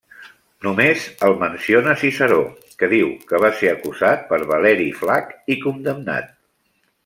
Només el menciona Ciceró, que diu que va ser acusat per Valeri Flac i condemnat.